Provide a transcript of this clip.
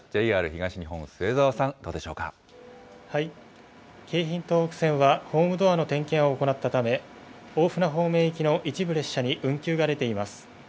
ＪＲ東日本、末澤さん、京浜東北線は、ホームドアの点検を行ったため、大船方面行きの一部列車に運休が出ています。